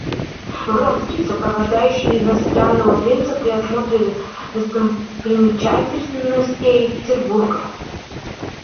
Вронский, сопровождающий иностранного принца при осмотре достопримечательностей Петербурга.